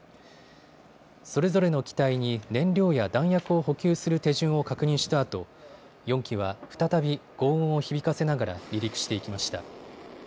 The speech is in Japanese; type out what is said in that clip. それぞれの機体に燃料や弾薬を補給する手順を確認したあと４機は再び、ごう音を響かせながら離陸していきました。